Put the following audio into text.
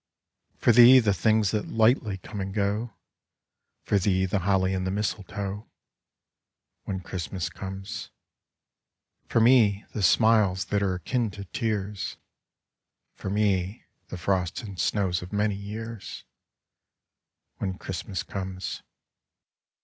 For thee, the things that lightly come and go, For thee, the holly and the mistletoe, When Christmas comes. For me, the smiles that are akin to tears, For me, the frost and snows of many years, When Christmas comes.